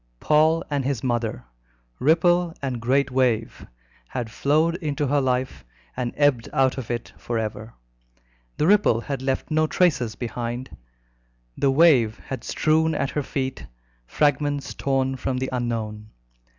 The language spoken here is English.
Paul and his mother, ripple and great wave, had flowed into her life and ebbed out of it for ever. The ripple had left no traces behind: the wave had strewn at her feet fragments torn from the unknown.